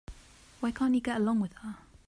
Why can't you get along with her?